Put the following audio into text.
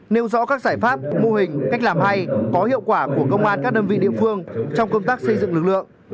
nêu rõ các giải pháp mô hình cách làm hay có hiệu quả của công an các đơn vị địa phương trong công tác xây dựng lực lượng